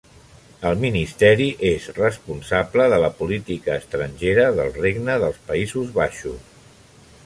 El Ministeri és responsable de la política estrangera del Regne dels Països Baixos.